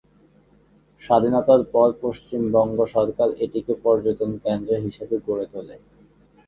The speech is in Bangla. স্বাধীনতার পর পশ্চিমবঙ্গ সরকার এটিকে পর্যটন কেন্দ্র হিসাবে গড়ে তোলে।